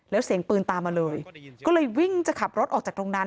แล้วเสียงปืนตามมาเลยก็เลยวิ่งจะขับรถออกจากตรงนั้น